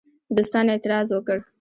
دوستانو اعتراض وکړ.